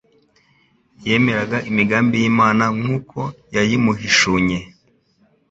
Yemeraga imigambi y'Imana nk'uko yayimuhishunye.